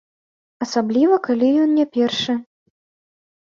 Асабліва, калі ён не першы.